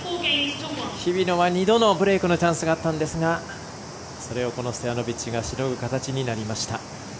日比野は２度のブレークのチャンスがあったんですがそれをストヤノビッチがしのぐ形になりました。